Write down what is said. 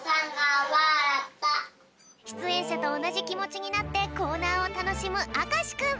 しゅつえんしゃとおなじきもちになってコーナーをたのしむあかしくん。